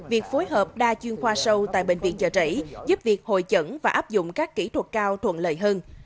việc phối hợp đa chuyên khoa sâu tại bệnh viện trợ rẫy giúp việc hội chẩn và áp dụng các kỹ thuật cao thuận lợi hơn